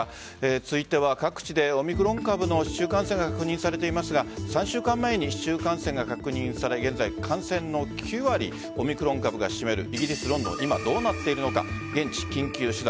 続いては各地でオミクロン株の市中感染が確認されていますが３週間前に市中感染が確認され現在、感染の９割をオミクロン株が占めるイギリス・ロンドンを今、どうなっているのか現地を緊急取材。